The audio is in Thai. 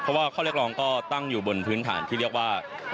เพราะว่าข้อเรียกร้องก็ตั้งอยู่บนพื้นฐานที่เรียกว่า